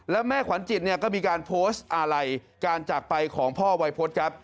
แล้วแม่ขวัญจิตเนี่ยก็มีการโพสต์อะไรการจากไปของพ่อวัยพฤษครับ